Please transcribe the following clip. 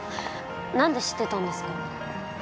何で知ってたんですか？